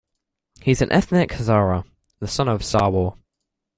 He is an ethnic Hazara, the son of Sarwar.